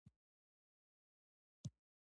هغوی د کرمان په شاوخوا کې استوګنه غوره کړې.